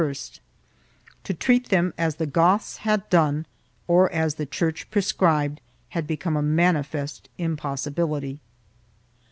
3 To treat them as the Goths had done, or as the Church pre scribed, had become a manifest impossibility.